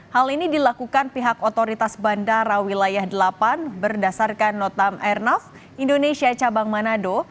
hal ini dilakukan pihak otoritas bandara wilayah delapan berdasarkan notam airnav indonesia cabang manado